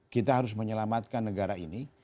kita harus menyelamatkan negara ini